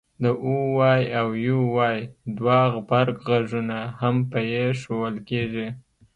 د oy او uy دوه غبرګغږونه هم په ی ښوول کېږي